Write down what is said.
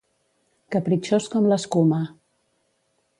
Capritxós com l'escuma.